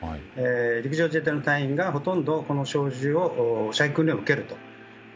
陸上自衛隊の隊員がほとんどこの小銃で射撃訓練を受けると。